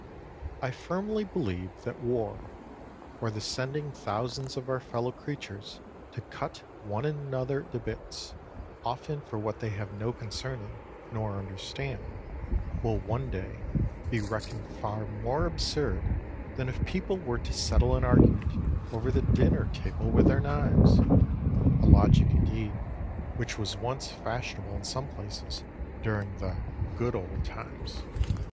I firmly believe, that war, or the sending thousands of our fellow creatures to cut one another to bits, often for what they have no concern in, nor understand, will one day be reckoned far more absurd than if people were to settle an argument over the dinner table with their knives, a logic indeed, which was once fashionable in some places during the "good old times."